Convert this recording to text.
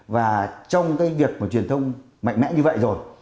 và trong cái việc mà truyền thông mạnh mẽ như vậy rồi